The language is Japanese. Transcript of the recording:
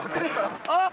あっ！